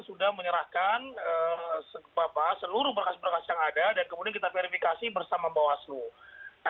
sudah menyerahkan seluruh berkas berkas yang ada dan kemudian kita verifikasi bersama bawaslu